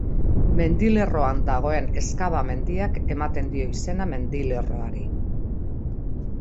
Mendilerroan dagoen Ezkaba mendiak ematen dio izena mendilerroari.